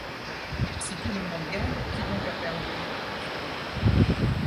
Si tout le monde gagne, qui donc a perdu ? dit Finot.